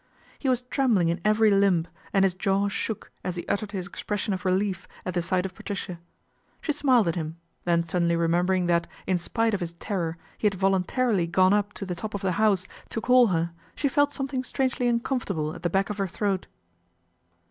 He was trembling in every limb, and his jaw shook as he uttered his expression of relief at the iight of Patricia. She smiled at him, then sud THE AIR RAID 263 denly remembering that, in spite of his terror, he had voluntarily gone up to the top of the house to call her, she felt something strangely uncomfort able at the back of her throat.